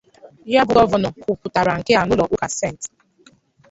Ya bụ gọvanọ kwuputara nke a n'ụlọ ụka St